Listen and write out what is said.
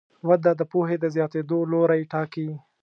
وده د پوهې د زیاتېدو لوری ټاکي.